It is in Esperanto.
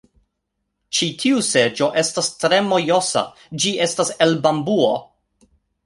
Ĉi tiu seĝo estas tre mojosa ĝi estas el bambuo